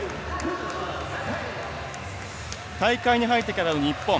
大会に入ってからの日本。